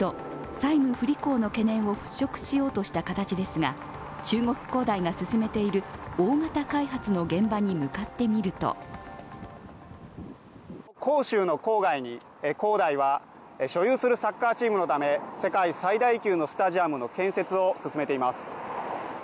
債務不履行の懸念を払拭しようとした形ですが中国恒大が進めている大型開発の現場に向かってみると広州の郊外に恒大は所有するサッカーチームのため、世界最大級のスタジアムの建設を進めています。